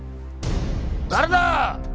誰だ！？